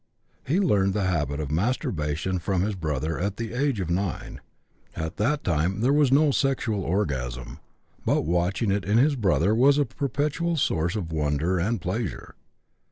He learned the habit of masturbation from his brother at the age of 9; at that time there was no sexual orgasm, but watching it in his brother was a perpetual source of wonder and pleasure.